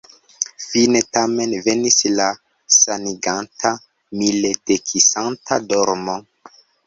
Fine tamen venis la saniganta, mildekisanta dormo.